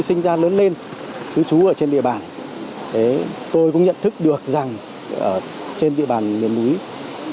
sinh ra lớn lên cư trú ở trên địa bàn tôi cũng nhận thức được rằng ở trên địa bàn miền núi tất cả bà con nhân dân còn rất nhiều